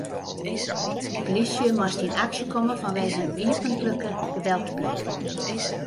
De polysje moast yn aksje komme fanwegen iepentlike geweldpleging.